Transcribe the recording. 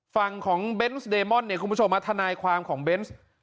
ฝั่งของเบนส์เดมอนเนี่ยคุณผู้ชมทนายความของเบนส์